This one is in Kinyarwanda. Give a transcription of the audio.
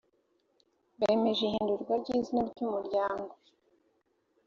bemeje ihindurwa ry izina ry umuryango